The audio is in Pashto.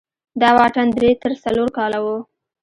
دا واټن درې تر څلور کاله و.